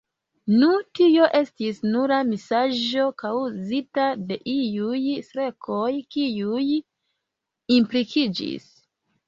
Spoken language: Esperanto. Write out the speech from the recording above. Nu, tio estis nura misaĵo, kaŭzita de iuj strekoj, kiuj implikiĝis.